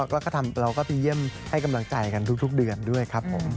แล้วก็เราก็ไปเยี่ยมให้กำลังใจกันทุกเดือนด้วยครับผม